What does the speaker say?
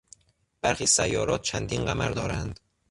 برخی سیارات چندین قمر دارند.